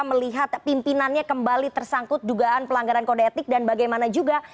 melihat pimpinannya kembali tersangkut dugaan pelanggaran kode etik dan bagaimana juga